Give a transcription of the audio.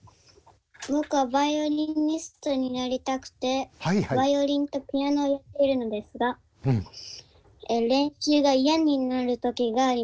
僕はバイオリニストになりたくてバイオリンとピアノをやってるのですが練習が嫌になる時があります。